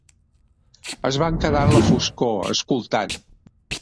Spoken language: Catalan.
Es van quedar en la foscor escoltant.